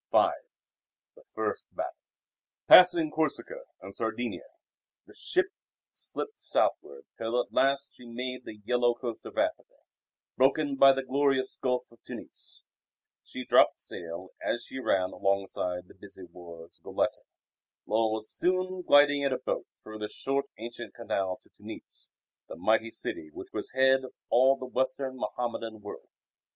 V The First Battle Passing Corsica and Sardinia, the ship slipped southward till at last she made the yellow coast of Africa, broken by the glorious Gulf of Tunis. She dropped sail as she ran alongside the busy wharves of Goletta. Lull was soon gliding in a boat through the short ancient canal to Tunis, the mighty city which was head of all the Western Mohammedan world.